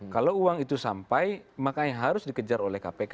kalau uang itu sampai makanya harus dikejar oleh kpk